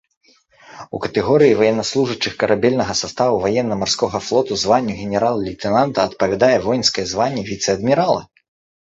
У катэгорыі ваеннаслужачых карабельнага саставу ваенна-марскога флоту званню генерал-лейтэнанта адпавядае воінскае званне віцэ-адмірала.